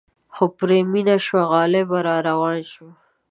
خو پرې مینه شوه غالبه را روان شو.